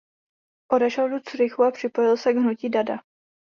Odešel do Curychu a připojil se k hnutí Dada.